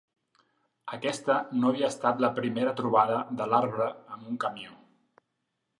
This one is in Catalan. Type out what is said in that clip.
Aquesta no havia estat la primera trobada de l'arbre amb un camió.